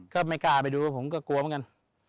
ก็ไม่กล้าไปดูผมก็กลัวเหมือนกัน